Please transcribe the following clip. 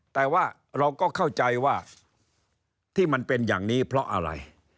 แต่ว่าเราก็เข้าใจว่าที่มันเป็นอย่างนี้เพราะอะไร